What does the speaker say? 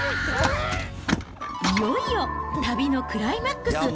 いよいよ、旅のクライマックス。